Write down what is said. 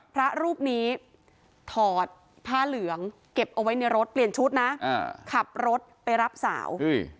พระรูปนี้ถอดผ้าเหลืองเก็บเอาไว้ในรถเปลี่ยนชุดนะขับรถไปรับสาว